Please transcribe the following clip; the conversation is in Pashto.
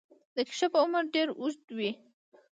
د کیشپ عمر ډیر اوږد وي